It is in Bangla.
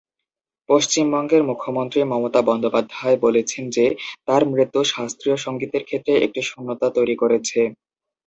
পশ্চিমবঙ্গের মুখ্যমন্ত্রী মমতা বন্দ্যোপাধ্যায় বলেছেন যে তাঁর মৃত্যু শাস্ত্রীয় সংগীতের ক্ষেত্রে একটি শূন্যতা তৈরি করেছে।